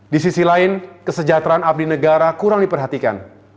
di sisi lain kesejahteraan abdi negara kurang diperhatikan